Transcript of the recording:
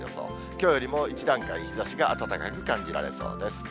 きょうよりも一段階、日ざしが暖かく感じられそうです。